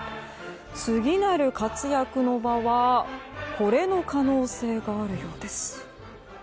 次なる活躍の場はこれの可能性があるようです。